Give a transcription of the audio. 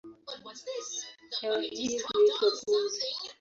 Hewa hii huitwa pumzi.